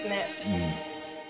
うん。